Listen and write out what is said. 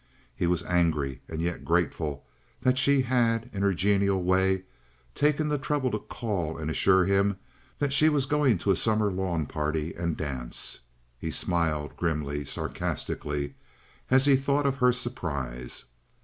He was angry and yet grateful that she had, in her genial way, taken the trouble to call and assure him that she was going to a summer lawn party and dance. He smiled grimly, sarcastically, as he thought of her surprise.